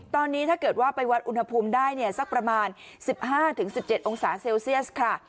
ตอนนี้ถ้าเกิดว่าไปวัดอุณหภูมิได้เนี่ยสักประมาณ๑๕๑๗องศาเซลเซียสค่ะ